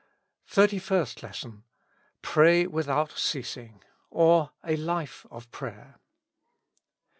251 THIRTY FIRST LESSON. "Pray without ceasing;'* or, A Life of Prayer.